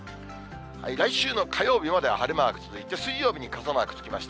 来週の火曜日までは晴れマーク続いて、水曜日に傘マークつきました。